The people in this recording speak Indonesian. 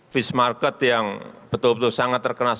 fish market yang betul betul sangat terkenal